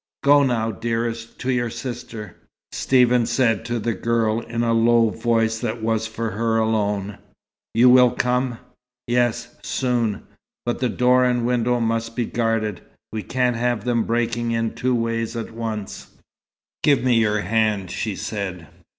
"Go now, dearest, to your sister," Stephen said to the girl, in a low voice that was for her alone. "You will come?" "Yes. Soon. But the door and window must be guarded. We can't have them breaking in two ways at once." "Give me your hand," she said.